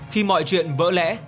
khi mọi chuyện vỡ lẽ